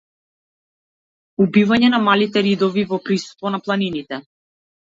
Убивање на малите ридови во присуство на планините.